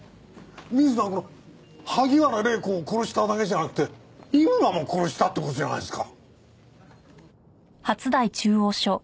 水野はこの萩原礼子を殺しただけじゃなくて井村も殺したって事じゃないですか。